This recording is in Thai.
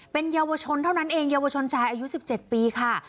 เป็นเยาวชนเท่านั้นเองเยาวชนชายอายุ๑๗ปีค่ะ